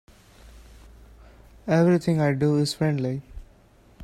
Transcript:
Everything I do is friendly.